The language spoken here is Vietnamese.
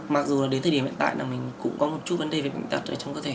mặc dù là đến thời điểm hiện tại là mình cũng có một chút vấn đề về bệnh tật ở trong cơ thể